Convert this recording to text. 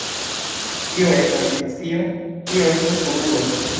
Kio estas fikcio, kio estas futuro?